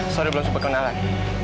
sorry belum super kenalan